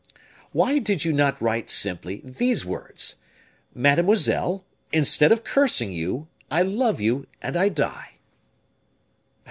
"Why did you not write simply these words: "'MADEMOISELLE, Instead of cursing you, I love you and I die.